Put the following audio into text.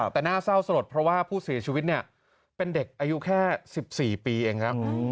แต่น่าเศร้าสลดเพราะว่าผู้เสียชีวิตเนี่ยเป็นเด็กอายุแค่๑๔ปีเองแล้ว